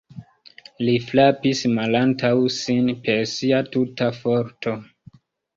Li frapis malantaŭ sin per sia tuta forto.